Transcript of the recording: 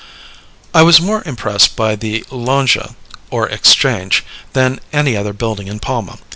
I was more impressed by the Lonja, or Exchange, than any other building in Palma.